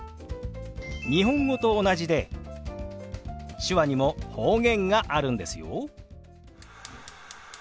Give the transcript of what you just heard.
日本語と同じで手話にも方言があるんですよ。